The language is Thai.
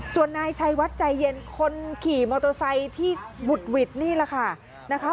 ส่วนนายชัยวัดใจเย็นคนขี่มอเตอร์ไซค์ที่บุดหวิดนี่แหละค่ะนะคะ